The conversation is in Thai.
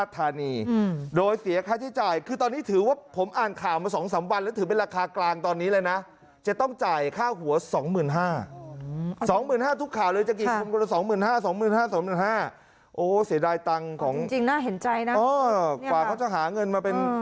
แต่มันเข้ามาไม่ถูกต้องอะนะครับ